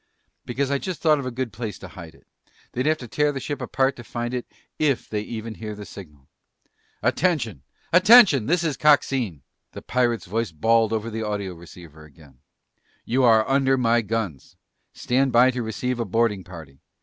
"Because I just thought of a good place to hide it. They'd have to tear the ship apart to find it, if they even hear the signal!" "Attention! Attention! This is Coxine " The pirate's voice bawled over the audioceiver again. "You are under my guns. Stand by to receive a boarding party.